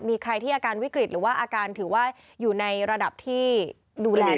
มีใครที่อาการวิกฤตหรือว่าอาการถือว่าอยู่ในระดับที่ดูแล